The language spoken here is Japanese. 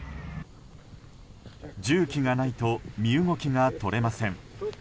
重機がないと身動きが取れません。